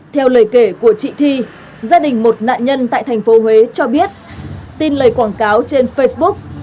theo lời kể của chị thi gia đình một nạn nhân tại thành phố huế cho biết tin lời quảng cáo trên facebook